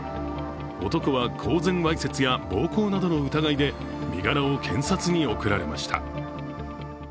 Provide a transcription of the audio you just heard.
男は公然わいせつや暴行などの疑いで身柄を検察に送られました。